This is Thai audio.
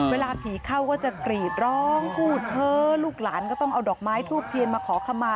เวลาผีเข้าก็จะกรีดร้องพูดเพ้อลูกหลานก็ต้องเอาดอกไม้ทูบเทียนมาขอขมา